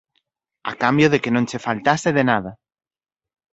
A cambio de que non che faltase de nada.